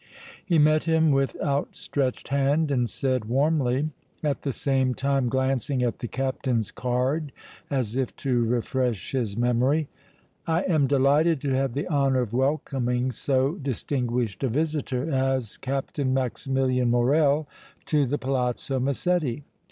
He met him with outstretched hand and said, warmly, at the same time glancing at the Captain's card as if to refresh his memory: "I am delighted to have the honor of welcoming so distinguished a visitor as Captain Maximilian Morrel to the Palazzo Massetti.